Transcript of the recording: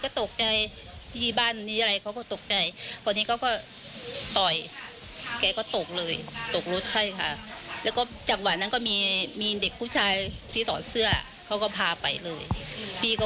ก็ไม่กล้าเข้าไปยกแก่เพราะว่าไม่รู้ว่าขาเกตหักหรือว่าอะไรประมาณนี้ค่ะ